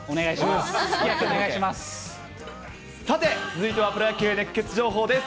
すき焼き、さて続いてはプロ野球熱ケツ情報です。